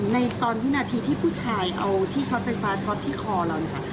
ในตอนวินาทีที่ผู้ชายเอาที่ช็อตไฟฟ้าช็อตที่คอเรานะคะ